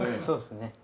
そうですね。